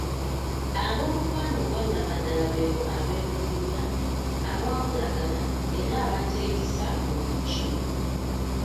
Ab'omukwano ogwannamaddala beebo abeebuulirira, abawabulagana era abateekisa mu buli kimu.